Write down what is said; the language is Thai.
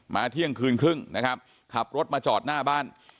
เที่ยงคืนครึ่งนะครับขับรถมาจอดหน้าบ้าน